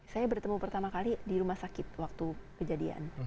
saya bertemu pertama kali di rumah sakit waktu kejadian